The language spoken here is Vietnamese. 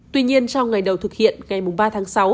tuy nhiên trong ngày đầu thực hiện ngày ba tháng sáu